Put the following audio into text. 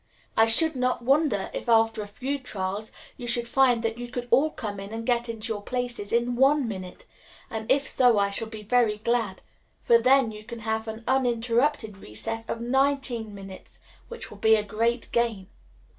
I should not wonder if, after a few trials, you should find that you could all come in and get into your places in one minute; and if so, I shall be very glad, for then you can have an uninterrupted recess of nineteen minutes, which will be a great gain."